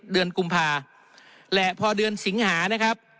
เดือนกุมภาและพอเดือนสิงหานะครับ